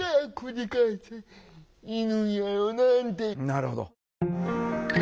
なるほど。